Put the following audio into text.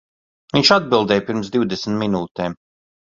Viņš atbildēja pirms divdesmit minūtēm.